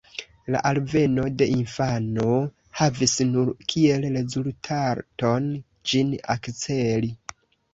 La alveno de infano havis nur kiel rezultaton, ĝin akceli.